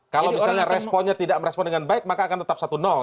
kalau misalnya responnya tidak merespon dengan baik maka akan tetap satu